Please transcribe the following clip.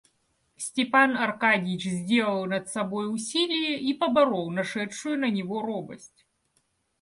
Степан Аркадьич сделал над собой усилие и поборол нашедшую на него робость.